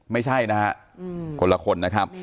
ไม่ใช่นะฮะคนละคนนะครับ